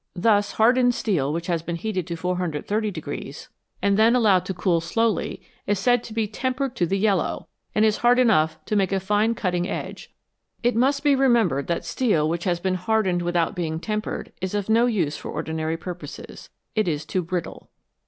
Thus hardened steel which has been heated to 430, and then 65 E METALS, COMMON AND UNCOMMON allowed to cool slowly, is said to be "tempered to the yellow," and is hard enough to take a fine cutting edge. It must be remembered that steel which has been hardened without being tempered is of no use for ordinary purposes ; it is too brittle.